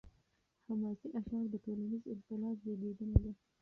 حماسي اشعار د ټولنیز انقلاب زیږنده دي.